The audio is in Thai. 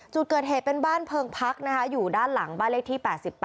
จุดเกิดเหตุเป็นบ้านเพิงพักนะคะอยู่ด้านหลังบ้านเลขที่๘๘